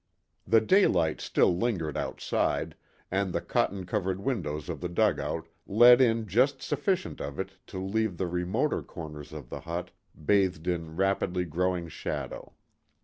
The daylight still lingered outside, and the cotton covered windows of the dugout let in just sufficient of it to leave the remoter corners of the hut bathed in rapidly growing shadow.